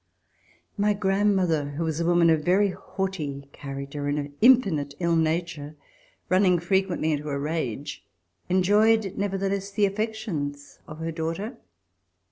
My grandmother, who was a woman of very haughty character, and of infinite ill nature, run ning frequently into a rage, enjoyed nevertheless the afi^ections of her daughter.